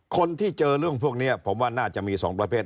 คนที่เจอเรื่องพวกนี้ผมว่าน่าจะมี๒ประเภท